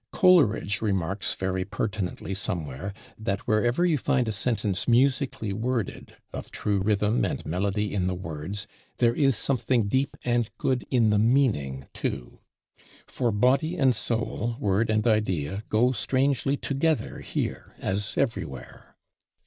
Coleridge remarks very pertinently somewhere, that wherever you find a sentence musically worded, of true rhythm and melody in the words, there is something deep and good in the meaning too. For body and soul, word and idea, go strangely together here as everywhere.